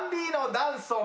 「ダンソン！